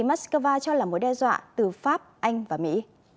moscow cho là mối đe dọa từ pháp anh và mỹ